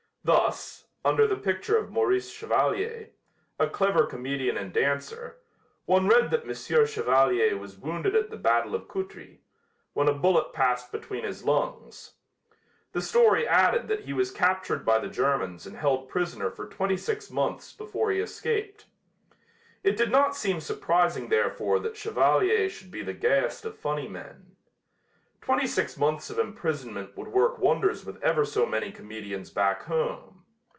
Thus, under the picture of Maurice Chevalier, a clever comedian and dancer, one read that Mons. Chevalier was wounded at the battle of Cutry, when a bullet passed between his lungs. The story added that he was captured by the Germans and held prisoner for twenty six months before he escaped. It did not seem surprising therefore that Chevalier should be the gayest of funny men. Twenty six months of imprisonment would work wonders with ever so many comedians back home.